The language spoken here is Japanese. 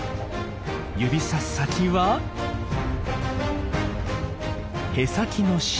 指さす先はへさきの下。